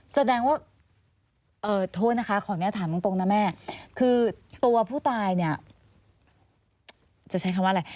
แสดงว่าเอ่อโทษนะคะขอแนวถามจุงตรงตรงนะคะแม่